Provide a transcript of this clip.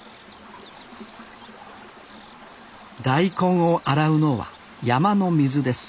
大根を洗うのは山の水です